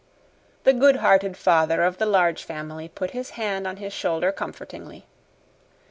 The good hearted father of the Large Family put his hand on his shoulder comfortingly.